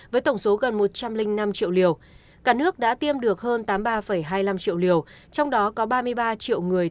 với tổng số gần một trăm linh năm triệu liều cả nước đã tiêm được hơn tám mươi ba hai mươi năm triệu liều trong đó có ba mươi ba triệu người